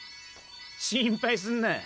心配すんな。